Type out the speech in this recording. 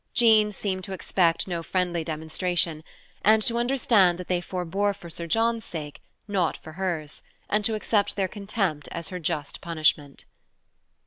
Jean seemed to expect no friendly demonstration, and to understand that they forbore for Sir John's sake, not for hers, and to accept their contempt as her just punishment.